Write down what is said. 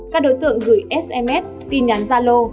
các đối tượng gửi sms tin nhắn gia lô